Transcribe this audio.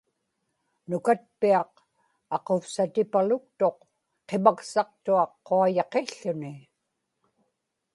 nukatpiaq aquvsatipaluktuq qimaksaqtuaq quayaqił̣ł̣uni